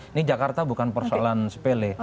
ini jakarta bukan persoalan sepele